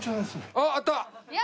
あああった！